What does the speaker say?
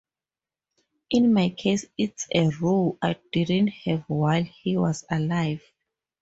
In my case it's a row I didn't have while he was alive.